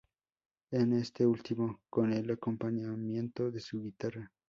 En este último con el acompañamiento de su guitarra.